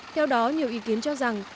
theo đó nhiều ý kiến cho rằng